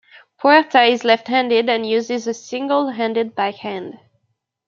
Puerta is left-handed and uses a single-handed backhand.